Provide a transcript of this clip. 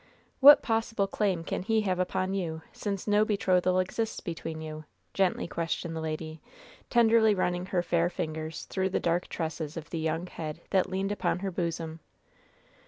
What possible claim can he have upon you, since no betrothal exists between you?" gently questioned the lady, tenderly running her fair fingers through the dark tresses of the young head that leaned upon her bosom.